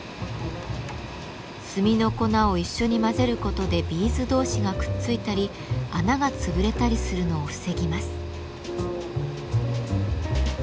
炭の粉を一緒に混ぜることでビーズ同士がくっついたり穴が潰れたりするのを防ぎます。